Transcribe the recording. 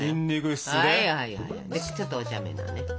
ちょっとおちゃめなね。